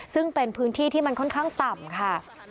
ซึ่งเป็นพื้นที่ที่มันค่อนข้างต่ำค่ะ